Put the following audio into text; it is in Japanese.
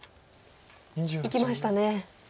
いきましたね。